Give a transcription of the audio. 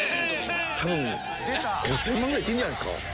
多分５０００万ぐらいいってるんじゃないですか？